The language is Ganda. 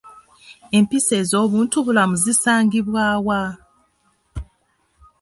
Empisa ez'obuntubulamu zisangibwa wa?